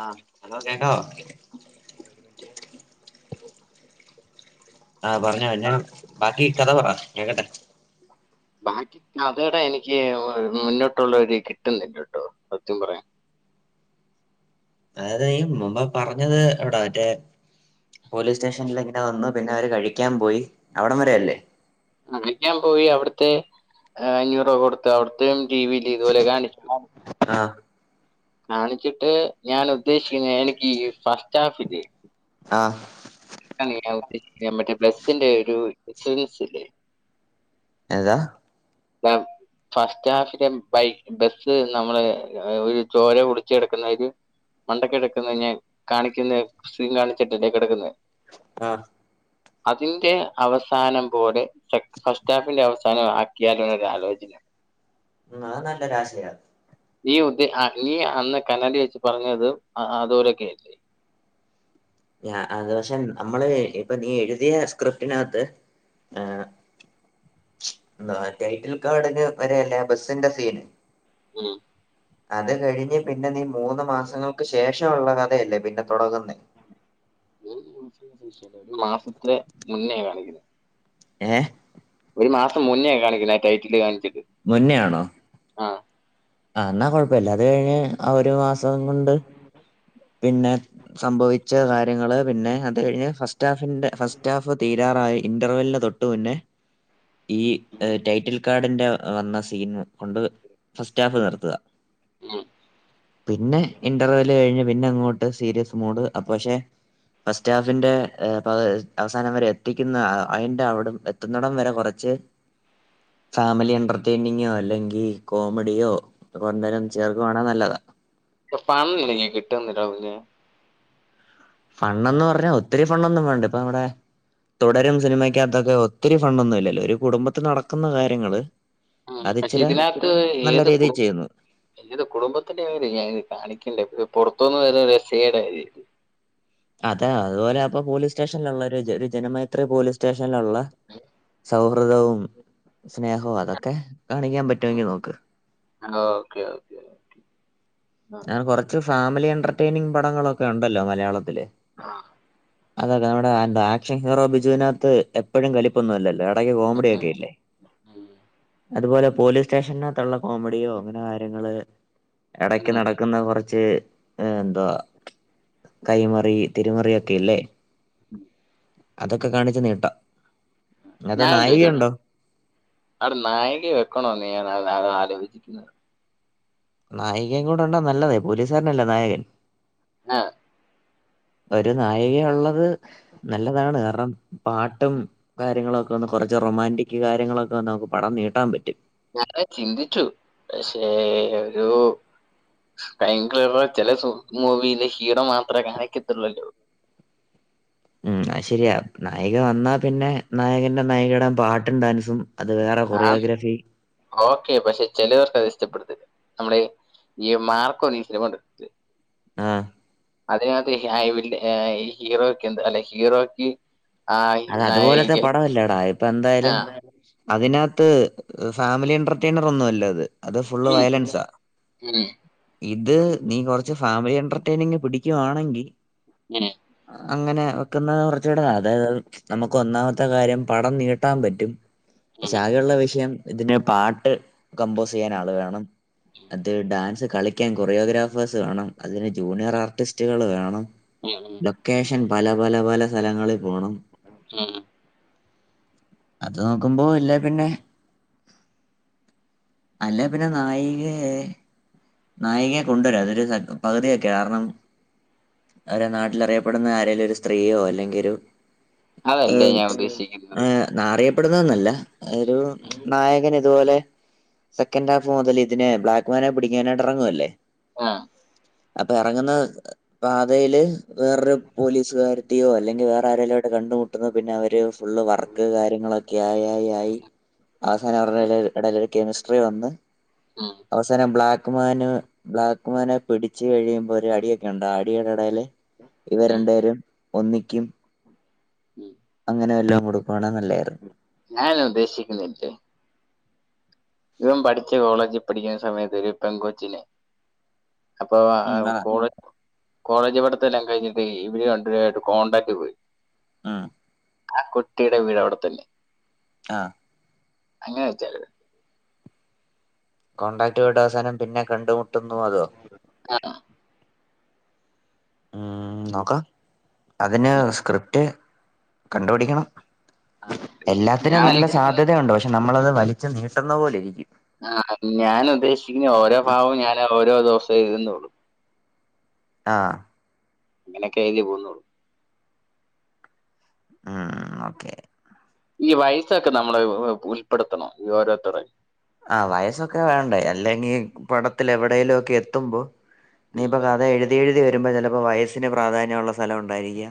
ആഹ് hello കേക്കാവോ ആഹ് പറഞ്ഞോ ഇഞ് ബാക്കി കഥ പറ കേക്കട്ടെ ബാക്കി കഥടെ എനിക്ക് മുന്നോട്ടുള്ളര് കിട്ടുന്നില്ല കേട്ടോ സത്യം പറയാൻ അതെയ് മുമ്പ പറഞ്ഞത് എവിടാ മറ്റേ പോലീസ് സ്റ്റേഷനിൽ ഇങ്ങനെ വന്ന് പിന്നെ അവര് കഴിക്കാൻ പോയി അവിടം വരെ അല്ലേ അ കഴിക്ക്യാൻ പോയി അവിടത്തെ അഞ്ഞൂറ് രൂപ കൊടുത്തു അവിടത്തെം ടി വില് ഇതുപോലെ കാണിക്കുള്ളു ആഹ് കാണിച്ചിട്ട് ഞാൻ ഉദ്ദേശിക്കുന്ന എനിക്ക് ഈ ഫസ്റ്റ് ഹാഫ് ഇല്ലേ ആഹ് [unintelligible] ഞാൻ ഉദ്ദേശിക്കാൻ മറ്റേ ബ്ലസിന്റെ ഒരു ഇൻഷുറൻല്ലേ ഏതാ [unintelligible] ഫസ്റ്റ് ഹാഫിലും ബൈക്ക് ബസ് നമ്മള് ഒരു ചോര കുടിച്ചെടക്കുന്ന ഒരു മണ്ടക്ക് കിടക്കന്നത് ഞാൻ കാണിക്കുന്ന സീൻ കാണിച്ചിട്ടല്ലേ കിടക്കുന്നെ ആഹ് അതിന്റെ അവസാനം പോലെ [unintelligible] ഫസ്റ്റാഫിന്റെ അവസാന ആ ക്കിയാലോന്നൊരാലോചന ഉം അത് നല്ലൊരാശയ നീ ഉദ്ദേ ആ നീ അന്ന് കനാലി വെച്ച് പറഞ്ഞത് അതോരൊക്കെ അല്ലേ ഞാ അത് പക്ഷെ നമ്മള് ഇപ്പൊ നീ എഴുതിയ സ്ക്രിപ്റ്റിനകത്ത് ഏഹ് എന്തുവാ ടൈറ്റിൽ കാർഡിന് വരെ അല്ലേ ബസിന്റെ സീന് ഉം അത് കഴിഞ്ഞ് പിന്നെ നീ മൂന്ന് മാസങ്ങൾക്ക് ശേഷ ഉള്ള കഥയല്ലേ പിന്നെ തുടങ്ങുന്നെ [inaudible] മൂന്ന് ഒരു മാസത്തിലെ മുന്നേ കാണിക്കുന്നെ ഏഹ് ഒരു മാസം മുന്നേ യി കാണിക്കണെ ആ ടൈറ്റിൽ കാണിച്ച് മുന്നയാണോ ആഹ് ആ എന്നാ കൊഴപ്പമില്ല അത് കഴിഞ്ഞ് ആ ഒരു മാസം കൊണ്ട് പിന്നെ സംഭവിച്ച കാര്യങ്ങള് പിന്നെ അത് കഴിഞ്ഞ് ഫസ്റ്റ് ഹാഫിന്റെ ഫസ്റ്റ് ഹാഫ് തീ തീരാറായി ഇന്റർവലന് തൊട്ട് മുന്നേ ഈ ടൈറ്റിൽ കാഡിന്റെ വന്ന സീൻ കൊണ്ട് ഫസ്റ്റ് പിന്നെ ഇന്റർവൽ കഴിഞ് പിന്നെ അങ്ങോട്ട് സീരിയസ് നോട് അ പക്ഷെ ഫസ്റ്റ് ഹാഫിന്റെ അവസാനം വരെ എത്തിക്കുന്ന അതിന്റെ അവിട എത്തുന്നടം വരെ കുറച്ച് ഫാമിലി എന്റെർറ്റിനിംഗ് അല്ലെങ്കിൽ കോമഡിയോ പണം എനിക്ക് [unintelligible] കിട്ടുന്നില്ല പിന്നെ ഫണ് എന്ന് പറഞ്ഞ ഒത്തിരി ഫണ്ണൊന്നും വേണ്ട ഇപ്പ നമ്മടെ തുടരും സിനിമക്ക അകതൊക്കെ ഒത്തിരി ഫണൊന്നും ഇല്ലല്ലോ ഒരു കുടുംബത്തി നടക്കുന്ന കാര്യങ്ങള് ഉ പക്ഷെ അതിച്ചിരെ ഇതിനകത്ത് നല്ല ഏത് രീതിയിൽ കുടുംബം ചെയ്യുന്നു ഏതു കുടുംബത്തിന്റെ അ ഞാനിത് കാണിക്കണ്ട പുറത്തുന്ന് വരുന്ന രസേടായിത് അതെ അതുപോലെ അപ്പൊ പോലീസ് സ്റ്റേഷനിലള്ള ഒരു ഒരു ജനമൈത്രി പോലീസ് സ്റ്റേഷൻ ള്ള സൗ സ്രതവും സ്നേഹവും അതൊക്കെ കാണിക്കാൻ പറ്റുമെങ്കിൽ നോക്ക് ഓക്കേ ഓക്കെ ഞാൻ കുറച്ച് ഫാമിലി എന്റർടൈ്നിങ് പടങ്ങളൊക്കെ ഉണ്ടല്ലോ മലയാളത്തില് ആഹ അതൊക്കെ നമ്മുടെ എന്താ ആക്ഷൻ ഹീറോ ബിജുവിനകത്ത് എഴും കലിപ്പൊന്നുംല്ലേ കോമഡിക്കെല്ല അത് പോലെ പോലീസ് സ്റ്റേഷനകത്തുള്ള കോമഡിയോ അങ്ങനെ കാര്യങ്ങള് എടക്ക് നടക്കുന്ന കുറച്ച് എന്താ കൈമറി തിരുമറി ഒക്കെല്ലേ ഉ അതൊക്കെ കാണിച്ച നീട്ട [unintelligible] ആ ആലോചിക്കുന്നത് നായികയും കൂടെ ഉണ്ടാ നല്ലതെ പോലീസുകാരനല്ല നായകൻ ആഹ [inaudible] ഒരു നായിക ഉള്ളത് നല്ലതാണ് കാരണം പാട്ടും കാര്യങ്ങളും ഒക്കെ ഒന്ന് കുറച്ച റൊമാൻറിക് കാര്യങ്ങളൊക്കെ നമുക്ക് പടം നീട്ടാൻ പറ്റും ഞറ ചിന്തിച്ചു പക്ഷേ ഒരു കയങ്കര ചില മൂവിെ ഹീറോ മാത്രമേ കാണിക്കത്തിുള്ളൂല്ലോ ഉം ശരിയാ നായിക വന്നാ പിന്നെ നായകന്റെ നായിക ഇടാൻ പാട്ടും ഡാൻസും അത് വേറെ ആഹ കൊറിയോഗ്രാഫി ഓക്കെ പക്ഷെ ചിലവർക്ക് അത് ഇഷ്ടപ്പെടുത്തല്ല നമ്മുടെ ഈ മാർക്കോന്ന് ഈ സിനിമ ഉണ്ട് ആഹ അതിനകത്ത് ഐില് ഹീറോയ്ക്ക് എന്താ അല്ലെ ഹീറോയ്ക്ക് ആ അത അതുപോലത്തെ നായിക പടല്ലേടാ ഇപ്പ ആ എന്തായാലും അതിന ഫാമിലി എന്റർൈനർ ഒന്നും അല്ല അത് അത് ഫുള് ഉം, ഉം, വയലൻസാ ഉം, ഇത് നീ കൊറച്ച് ഫാമിലി എന്റർടൈനിങ് പിടിക്കുവാണെങ്കിൽ ഉ അങ്ങനെ വെക്കുന്നത് കുറച്ചൂടെ അതായത് നമുക്ക് ഒന്നാമത്തെ കാര്യം പടം നീട്ടാൻ പറ്റും ഉം, പക്ഷെ ആകെയ ഉുള്ള വിഷയം ഇതിന്റെ പാട്ട് കമ്പോസ് ചെയ്യാൻ ആള് വേണം അത് ഡാൻസ് കളിക്കാൻ കൊറിയോഗ്രാഫേഴ്സ് വേണം അതിന് ജൂനിയർ ആർട്ടിസ്റ്റുകൾ വേണം ഉം, ഉം, ലൊക്കേഷൻ പല പല പല സ്ഥലങ്ങളിൽ പോണം ആഹ അത് നോക്കുമ്പോ ഇല്ല പിന്നെ അല്ല പിന്നെ നായിക നായികയെ കൊണ്ടുവരാം അതൊരു പകുതിയൊക്കെ കാരണം അവരെ നാട്ടിൽ അറിയപ്പെടുന്ന ആരെലും ഒരു സ്ത്രീയോ അല്ലെങ്കിൽ ഒരു അതല്ലേ ഞാൻ ഉദ്ദേശിക്കുന്നത് അറിയപ്പെടുന്നതന്നല്ല ഒരു നായകൻ ഇതുപോലെ സെക്കൻഡ് ഹാഫ് മുതൽ ഇതിനെ ബ്ലാക്ക്മാനെ പിടിക്കാനായിട്ട് ഇറങ്ങുവല്ലേ ആഹ അപ്പൊ ഇറങ്ങുന്ന പാതയില് വേറൊരു പോലീസുകാരത്തെയോ അല്ലെങ്കിൽ വേറെ ആങ്കും അവിടെ കണ്ടുമുട്ടുന്ന പിന്നെ അവര് ഫുള് വർ കാര്യങ്ങളൊക്കെ ആയി ആയി ആയി അവസാനം അവരുടെ ഇട ഒരു കെമിസ്ട്രി വന്ന് ഉം, അവസാനം ബ്ലാക്ക്മാൻ ബ്ലാക്ക്മാനെ പിടിച്ച കഴി ്പ അടിയൊക്കെ ഉണ്ട് അടിയുടെ ഇടൽ ഇവർ ഉം, രണ്ട പേരും ഒന്നിക്കും അങ്ങനെല്ല ന ബദേശിക്ക്ന്നട്ട ഇവൻ പഠിച്ച കോളേജിൽ പഠിക്കുന്ന സമയത്ത് ഒരു പെൻകോച്ചിനെ അപ്പൊ ഉം പറ കൂടു കോളേജ് പഠത്തെല്ലാം കഴിഞ്ഞിട്ട് ഇവര്ണ്ടട്ട് കോണ്ടാക്ട് പോയി ആഹ ആ കുട്ടിയുടെ വീട് അവിടെത്തന്നെ ആഹ അങ്ങനെ വെച്ച കോടാക്ടുകളുടെ അവസാനം പിന്നെ കണ്ടുമുട്ടുന്നു അതോ ഉം നോക്കാം അതിന് സ്ക്രിപ്റ്റ് കണ്ടുപിടിക്കണം എല്ലാത്തിനും ഞാൻ നല്ല സാധ്യതയുണ്ട്ോ പക്ഷെ നമ്മളത് വലിച്ചു നീട്ടുന്ന പോലെ ഇരിക്കും ആ ഞാൻ ഉദ്ദേശിക്കുന്ന ഓരോ ഭാവവും ഞാന് ഓരോ ദിവസം എഴുതുന്നുള്ളു ആ അങ്ങനൊക്കെ അയ് പോന്നോള്ളു ഉം ഓക്കെ ഈ വയസ്സൊക്കെ നമ്മള് ഉൾപ്പെടുത്തണംഈ ഓരോരുത്തരയും ആ വയസ്സൊക്കെ വേണ്ടേ അല്ലെങ്കിൽ പടത്തിൽ എവിടെേലും ഒക്കെ എത്തുമ്പോ നീയിപ്പൊ കഥ എഴുതി എഴുതി വരുമ്പോ ചിലപ്പോ വയസിന് പ്രാധാന്യമുള്ളള്ള സ്ഥലം ഉണ്ടായിരിക്കാ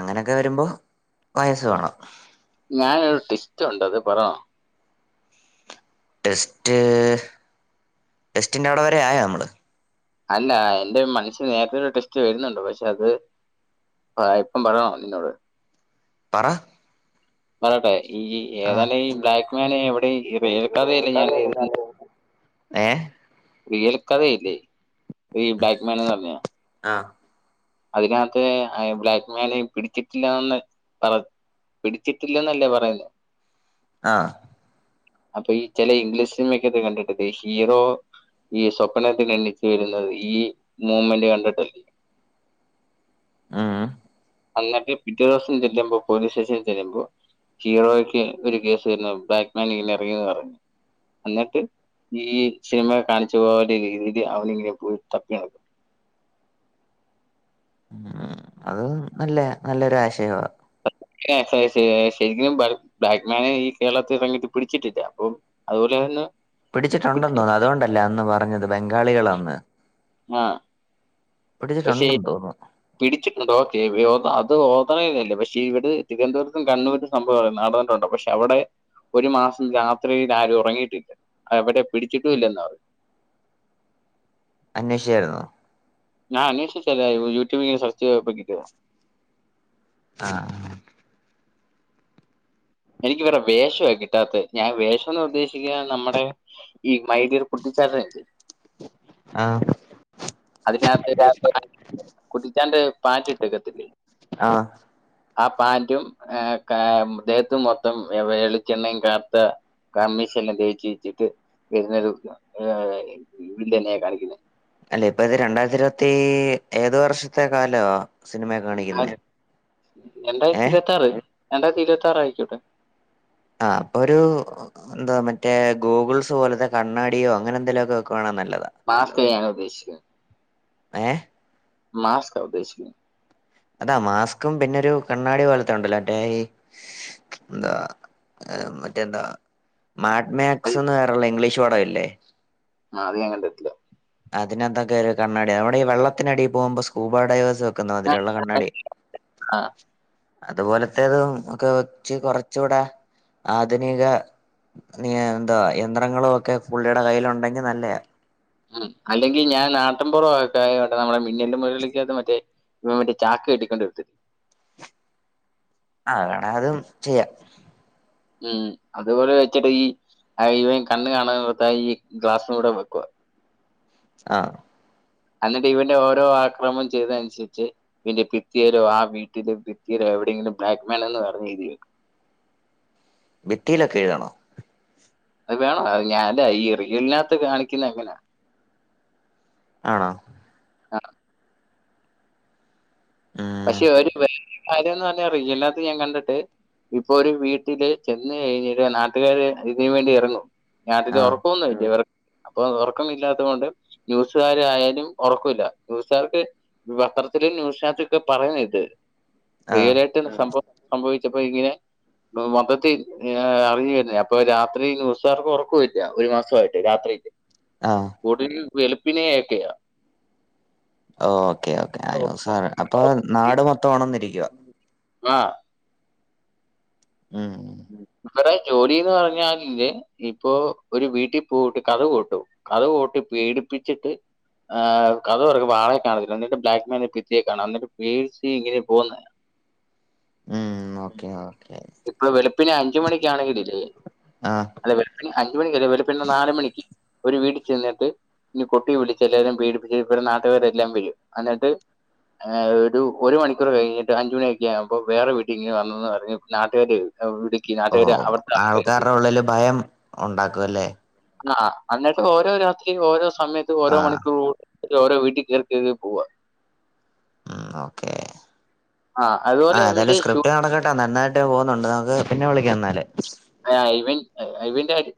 അങ്ങനൊക്കെ വരുമ്പോ വയസസ് വേണം ഞാനൊരു ട്വിസ്റ്റ്‌ ഉണ്ട് അത് പറണോ ടെസ്റ്റ് ടെസ്റ്റിന്റെ അവിടെ വരെ ആയോ നമ്മള് അല്ല എന്റെ മനസ്സിൽ നേരത്തെ ഒരു ടെസ്റ്റ് വരുന്നുണ്ട് പക്ഷെ അത് ആ ഇപ്പം പറയണോ നിന്നോട് പറ പറയട്ടെ ഈ ആഹ് ഏതായാലും ഈ ബ്ലാക്ക്മാൻ എവിടെ ഏൽക്കാതെ അല്ലേ ഞാൻ [unintelligible] ഏഹ് റിയൽ കഥയില്ലേ ഈ ബ്ലാക്ക് മാൻന്ന് പറഞ്ഞ ആഹ് അതിനകത്ത് ബ്ലാക്ക്മാനെ പിടിച്ചിട്ടില്ലാന്ന് പറ പിടിച്ചിട്ടില്ലന്നല്ലേ പറയുന്നേ ആഹ് അപ്പൊ ഈ ചില ഇംഗ്ലീഷ് സിനിമക്കകത്ത് കണ്ടിട്ടില്ലേ ഹീറോ ഈ സ്വപ്നത്തിന്ന് എണീച്ചു വരുന്നത് ഈ മൂമെന്റ് കണ്ടിട്ടല്ലേ ആഹ് എന്നിട്ട് പിറ്റേ ദിവസം ചെല്ലുമ്പോ പോലീസ് സ്റ്റേഷനില് ചെല്ലുമ്പോ ഹീറോക്ക് ഒരു കേസ് വരുന്നു ബ്ലാക്ക്മാൻ [unintelligible] ഇറങ്ങിന്ന് പറഞ്ഞിട്ട് എന്നിട്ട് ഈ സിനിമ കാണിച്ചു പോകുന്ന രീതി‌ അവന് ഇങ്ങനെ പോയി തപ്പി നടക്കും [inaudible] ഉം അത് നല്ല നല്ലൊരു ആശയമാണ് ശരിക്കും ബാക്ക്മാന് ഈ കേരളത്തില് ഇറങ്ങീട്ട് പിടിച്ചിട്ടില്ല അപ്പം അതുപോലൊന്ന് പിടിച്ചിട്ടുണ്ട് തോന്നുന്നു അതുകൊണ്ടല്ലേ അന്ന് പറഞ്ഞത് ബംഗാളികളാന്ന് ആഹ് പക്ഷേ പിടിച്ചിട്ടുണ്ടെന്ന് തോന്നുന്നു പിടിച്ചിട്ട [unintelligible] അത് [unintelligible] പക്ഷേ ഇവിടെ തിരുവനന്തപുരത്തും കണ്ണൂരിലും സംഭവം നടന്നിട്ടുണ്ട് പക്ഷെ അവിടെ ഒരു മാസം രാത്രിയിൽ ആരും ഉറങ്ങിയിട്ടില്ല അവിടെ പിടിച്ചിട്ടും ഇല്ലെന്ന പറഞ്ഞ് അന്വേഷിച്ചായിരുന്നോ ഞാൻ അന്വേഷിച്ചതല്ല യൂട്യൂബ്ങ്ങനെ സെർച്ചീത് പോയപ്പോ കിട്ടിയതാ ആഹ് എനിക്ക് വേറെ വേഷ കിട്ടാത്ത് ഞാന് വേഷംന്ന് പറഞ്ഞ് ഉദ്ദേശിച്ചത് നമ്മുടെ ഈ മൈ ഡിയർ കുട്ടിച്ചാത്തൻ അതിനകത്ത് ഒരു ആഹ് [unintelligible] കുട്ടിച്ചാന്റെ പാന്റ് ഇട്ടേക്കത്തില്ലേ ആഹ് ആ പാന്റും ദേഹത്തും മൊത്തം വെളിച്ചെണ്ണയും [unintelligible] കണ്മഷി എല്ലാം തേച്ച് വെച്ചിട്ട് പിന്നെ ഒരു വില്ലനേയ കാണിക്കുന്ന് അല്ല ഇപ്പൊ ഇത് രണ്ടായിരത്തി ഇരുപത്തി ഏത് വർഷത്തെ കാലാ രണ്ട ഏ രണ്ടായിരത്തി ഇരുപത്താറ് രണ്ടായിരത്തി ഇരുപത്താറ് ആയിക്കോട്ടെ ആഹ് അപ്പൊ ഒരു എന്താ മറ്റേ ഗൂഗിൾസ് പോലത്തെ കണ്ണാടിയോ അങ്ങനെ എന്തെലുമൊക്കെ വെക്കാണെ നല്ല മാസ്കിനെയാണോ ഉദ്ദേശിച്ച്ക്കണത് ഏഹ് മാസ്ക്ക ഉദ്ദേശിക്കുന്നത് അതാ മാസ്ക്കും പിന്നൊരു കണ്ണാടി പോലത്ത ഉണ്ടല്ലോ [unintelligible] എന്താ ഏഹ് മറ്റെന്താ മാഡ് മാക്സ് അല്ല, എന്ന് പേരുള്ള ഇംഗ്ലീഷ് പടമില്ലേ ആഹ് അത് ഞാൻ കണ്ടിട്ടില്ല അതിനെന്തൊക്കെ ഒരു കണ്ണാടിയ അവടെ ഈ വെള്ളത്തിനടീ പോകുമ്പോ സ്കൂബ ഡ്രൈവേഴ്സ് വെക്കുന്ന മാതിരിള്ള കണ്ണാടി ആ, അതുപോലത്തെതും ഒക്കെ വെച്ച് കുറച്ചുകൂടെ ആധുനിക എന്താ യന്ത്രങ്ങളും ഒക്കെ പുള്ളിയുടെ കയ്യില് ഉണ്ടെങ്കി നല്ലയ ഉം അല്ലെങ്കിൽ ഞാൻ നാട്ടൻപുറക്കെ ആയിട്ട് നമ്മുടെ മിന്നൽ മുരളിക്കകത് മറ്റേ ഇൻ മറ്റേ ചാക്ക് കെട്ടിക്കൊണ്ട വടുത്തി അങ്ങണ അതും ചെയ്യാം. ഉം അതുപോലെ വെച്ചിട്ട് ഈ അ ഇവൻ കണ്ണു കാണോത്ത ഈ ഗ്ലാസ് കൂടെ ബു ആഹ എന്നിട്ട് ഇവന്റെ ഓരോ ആക്രമം ചെയ്തനുസരിച്ച് ഇന്റെ പിത്തിയരോ ആ വീട്ടിലും പിിത്തിയരോ എവിടെയെങ്കിലും ബ്ലാക്ക് മാൻ എന്ന് പറഞ്ഞഴതി ഭിത്തിയിലൊക്കെ എഴുതാണോ? അത് വേണോ ഞാൻന്റെ ഈ ഇറിയലിനകത്ത് കാണിക്കുന്ന എങ്ങനാ ആണോ? ആഹ! ഉം പക്ഷെ ഒരു കാര്യന്ന് പറഞ്ഞാ അറതിനകത്ത് ഞാൻ കണ്ടിട്ട് ഇപ്പൊ ഒരു വീട്ടില് ചെന്ന് കഴിഞ്ഞിട്ട നാട്ടുകാര് ഇതിനന് വേണ്ടി ഇറങ്ങും ഞാട്ടി് ആ ഉറപ്പൊന്നുംുമല്ലേ ഇവർ അപ്പൊ ഉറക്കമില്ലാത്ത കൊൊണ്ട് ന്യൂസുകാര ആയാലും ഉറക്കമില്ല ന്യൂസുകാർക്ക് പത്രത്തില ന്യൂസിനകത്തൊക്കെ പറയുന്നത് ഇത് ആ റിയലായിട്ട് സംഭവ സംഭവിച്ച പോയിക്കര മതത്തിൽ അറിഞ്ഞു വരുന്ന അപ്പൊ രാത്രി ന്യൂസാർക്ക് ഉറക്കമില്ല ഒരു മാസമായിട്ട് രാത്രിയില് ആ കൂടിൽ വള്പ്പിനെ ഒക്കെയാ ഓക്കേ ഓക്കേ ആ സാർ അപ്പൊ നാട് മൊത്തം ഒണർന്നിരിക്കുവാ ആഹ് [unintelligible] ഇവടെ ജോലിന്ന് പറഞ്ഞാല്ല് ഇപ്പൊ ഒരു വീട്ടിൽ പോഴിട്ട് കഥക് കോട്ടും കഥക് കൊട്ടി പേടിപ്പിച്ചിട്ട് ആഹ് കഥക് തോറക്കുമ്പോ ആളെ കാണത്തില്ല ഇന്നട്ട് ബ്ലാക്ക് മെയിലൊക്കെ ചെയ്യും കാണാം എന്നിട്ട് പേയ്സ് ഇങ്ങനെ പോകുന്നെ ഉം ഓക്കെ ഓക്കെ വെളുപ്പിന് അഞ്ചുമണിക്കാണെങ്കില്ലേ ആ അല്ല വെളുപ്പിന് അഞ്ചുമണിക്കല്ല വെളുപ്പിന് നാല് മണിക്ക് ഒരു വീട്ടി ചെന്നിട്ട്- ഇനി കൊട്ടി വിളിച്ച് എല്ലാരും പേടിപ്പിച്ച് ഇപ്പ നാട്ടുകാരെല്ലാം വരും എന്നിട്ട്- ആഹ് ഒരു മണിക്കൂർ കഴിഞ്ഞിട്ട് അഞ്ചുമണിയൊക്കെ ആകുമ്പ വേറെ വീട്ടിൽ ഇങ്ങനെ വന്നന്ന് പറഞ് നാട്ടുകാര- ഓ ആൾക്കാരുടെ ഉള്ളില് ഭയം ഒണ്ടാക്കും അല്ലേ? ആഹ! അന്നട്ട് ഓരോ രാത്രി ഓരോ സമയത്ത് ആ ഓരോ മണിക്കൂർ കു ഓരോ വീട്ടിൽ കേറി കേറി അങ്ങ് പോവാ- ആഹ് ഓക്കെ ആ ആ അതുപോലെ ഏതായാലും ഇവന്റെ ഷൂ സ്ക്രിപ്റ്റ് നടക്കട്ടെന്നായിട്ട്. ട്ട് പോകുന്നുണ്ട് അത് പിന്നെ വിളിക്കാം എന്നാല്. അവിന്റെ കാര്യ-